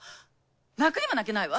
泣くにも泣けないわ。